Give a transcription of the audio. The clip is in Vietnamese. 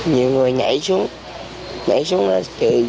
nhiều người nhảy xuống nhảy xuống là chạy